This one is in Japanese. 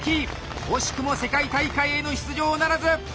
惜しくも世界大会への出場ならず！